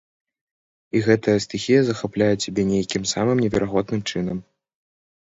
І гэтая стыхія захапляе цябе нейкім самым неверагодным чынам.